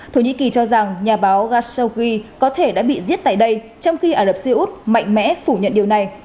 thổ nhĩ kỳ cho rằng nhà báo gashowgi có thể đã bị giết tại đây trong khi ả rập xê út mạnh mẽ phủ nhận điều này